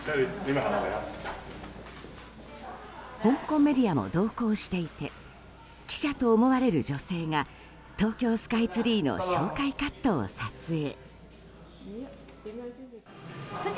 香港メディアも同行していて記者と思われる女性が東京スカイツリーの紹介カットを撮影。